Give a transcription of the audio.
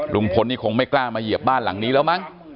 ลุงพลนี่คงไม่กล้ามาเหยียบบ้านหลังนี้แล้วมั้ง